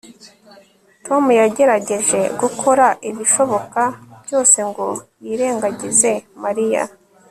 Tom yagerageje gukora ibishoboka byose ngo yirengagize Mariya